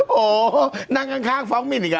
โหนั่งข้างฟ้องก์หมิ่นอีกละ